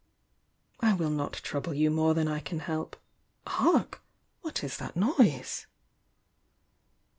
"I will not trouble you more than I can help — hark! — what 18 that noise?"